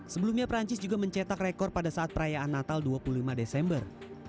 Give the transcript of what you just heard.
sebelumnya perancis juga mencetak rekor pada saat perayaan natal dua puluh lima desember